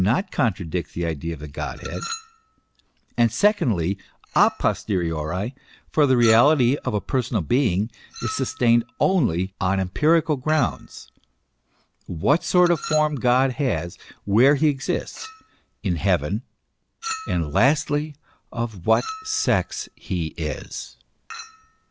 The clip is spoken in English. not contradict the idea of the Godhead ; and secondly, a posteriori, for the reality of a personal being, is sustained only on empirical grounds, what sort of form God has, where he exists, in heaven, and lastly, of what sex he is.